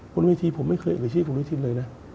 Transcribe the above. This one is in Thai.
คุณไม่ทีผมไม่เคยเอาชื่อคุณอนุทินเลยนะ